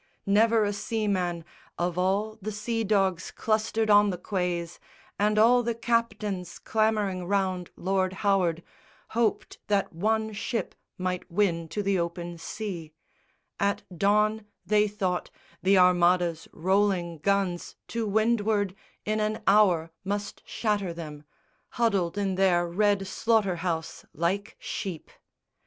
Never a seaman Of all the sea dogs clustered on the quays, And all the captains clamouring round Lord Howard, Hoped that one ship might win to the open sea: At dawn, they thought, the Armada's rolling guns To windward, in an hour, must shatter them, Huddled in their red slaughter house like sheep.